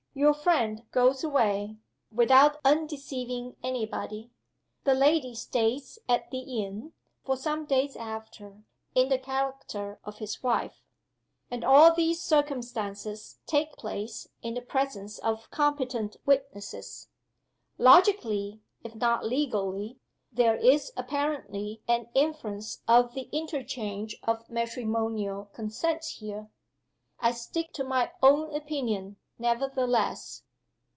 Your friend goes away, without undeceiving any body. The lady stays at the inn, for some days after, in the character of his wife. And all these circumstances take place in the presence o f competent witnesses. Logically if not legally there is apparently an inference of the interchange of matrimonial consent here. I stick to my own opinion, nevertheless.